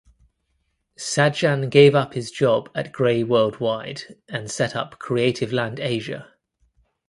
Sajan gave up his job at Grey Worldwide to set up Creativeland Asia.